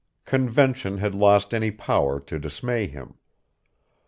Convention had lost any power to dismay him.